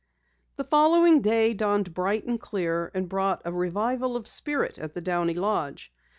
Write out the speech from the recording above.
The following day dawned bright and clear and brought a revival of spirit at the Downey lodge.